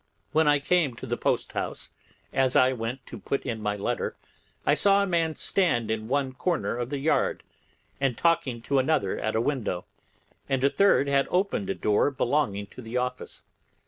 When I came to the post house, as I went to put in my letter I saw a man stand in one corner of the yard and talking to another at a window, and a third had opened a door belonging to the office.